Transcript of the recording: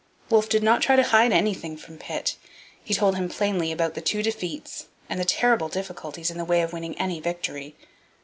Wolfe did not try to hide anything from Pitt. He told him plainly about the two defeats and the terrible difficulties in the way of winning any victory.